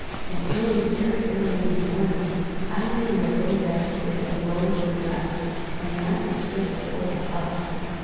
And early, very early in the morning, Ivan and the little Vasily arose and dressed, and went and stood before the hut.